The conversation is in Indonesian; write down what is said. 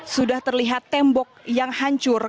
sudah terlihat tembok yang hancur